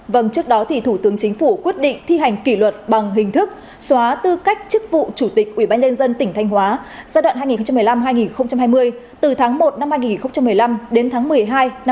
vâng trước đó thì thủ tướng chính phủ quyết định thi hành kỷ luật bằng hình thức xóa tư cách chức vụ chủ tịch ubnd tỉnh thanh hóa giai đoạn hai nghìn một mươi năm hai nghìn hai mươi từ tháng một năm hai nghìn một mươi năm đến tháng một mươi hai năm hai nghìn một mươi